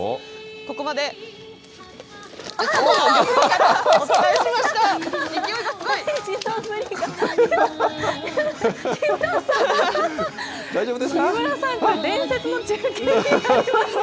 ここまで、あっ、お伝えしました。